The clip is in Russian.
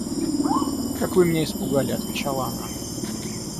Как вы меня испугали, — отвечала она.